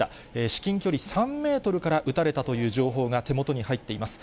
至近距離３メートルから撃たれたという情報が、手元に入っています。